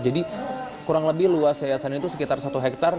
jadi kurang lebih luas yayasan itu sekitar satu hektar